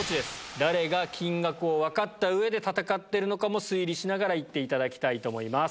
誰が金額を分かった上で戦っているのかも推理しながら行っていただきたいと思います。